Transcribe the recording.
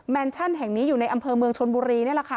ชั่นแห่งนี้อยู่ในอำเภอเมืองชนบุรีนี่แหละค่ะ